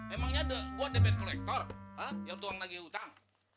emangnya gue depan kolektor yang tuang nagih utang